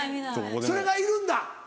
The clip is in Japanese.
それがいるんだ。